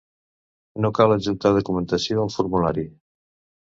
No cal adjuntar documentació al formulari.